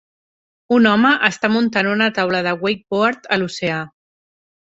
Un home està muntant una taula de wakeboard a l'oceà.